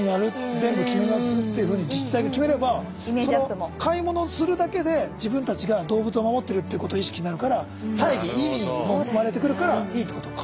全部決めますっていうふうに自治体が決めれば買い物するだけで自分たちが動物を守ってるっていうことを意識になるから大義意味も生まれてくるからいいってことか。